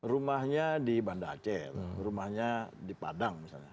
rumahnya di banda aceh rumahnya di padang misalnya